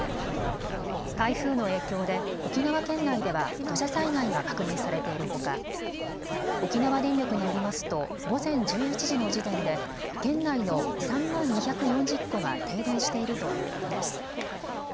台風の影響で沖縄県内では土砂災害が確認されているほか沖縄電力によりますと午前１１時の時点で県内の３万２４０戸が停電しているということです。